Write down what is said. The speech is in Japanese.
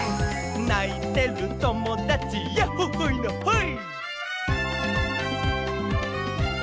「ないてるともだちやっほっほいのほい」